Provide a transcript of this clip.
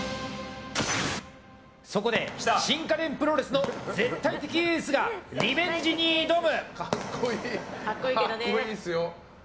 そこで新家電プロレスの絶対的エースがリベンジに挑む！